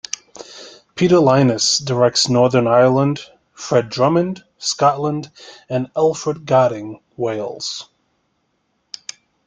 Peter Lynas directs Northern Ireland, Fred Drummond, Scotland, and Elfed Godding, Wales.